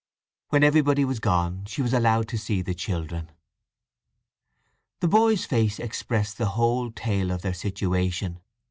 When everybody was gone, she was allowed to see the children. The boy's face expressed the whole tale of their situation.